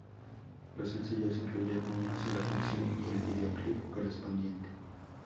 Los sencillos incluyeron una sola canción y el videoclip correspondiente.